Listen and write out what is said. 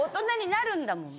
なるんだもんね。